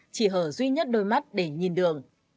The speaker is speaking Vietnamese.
chỉ hở duy nhất đôi mắt để nhìn đường